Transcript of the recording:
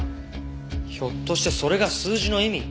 ひょっとしてそれが数字の意味？